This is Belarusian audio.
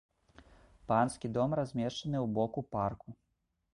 Панскі дом размешчаны ў боку парку.